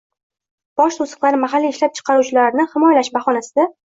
Boj to‘siqlari mahalliy ishlab chiqaruvchilarni himoyalash bahonasida